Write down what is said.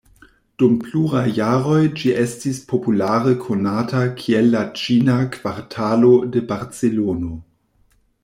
Dum pluraj jaroj ĝi estis populare konata kiel la Ĉina Kvartalo de Barcelono.